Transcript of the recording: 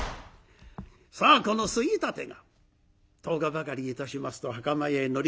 さあこの杉立が１０日ばかりいたしますと袴屋へ乗り込んでくる。